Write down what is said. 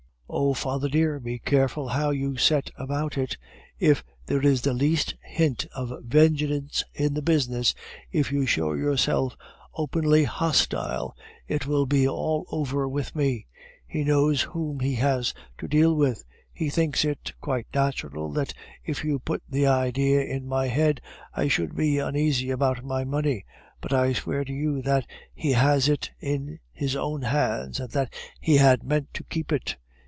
"Oh! father dear, be careful how you set about it! If there is the least hint of vengeance in the business, if you show yourself openly hostile, it will be all over with me. He knows whom he has to deal with; he thinks it quite natural that if you put the idea into my head, I should be uneasy about my money; but I swear to you that he has it in his own hands, and that he had meant to keep it.